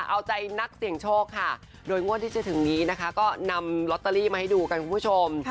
เอาใจนักเสี่ยงโชคค่ะโดยงวดที่จะถึงนี้นะคะก็นำลอตเตอรี่มาให้ดูกันคุณผู้ชม